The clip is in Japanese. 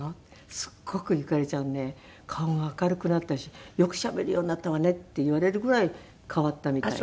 「すっごくゆかりちゃんね顔が明るくなったしよくしゃべるようになったわね」って言われるぐらい変わったみたいです。